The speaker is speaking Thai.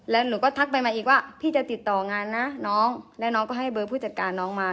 แล้วหนูก็ทักไปมาอีกว่าพี่จะติดต่องานนะน้องแล้วน้องก็ให้เบอร์ผู้จัดการน้องมา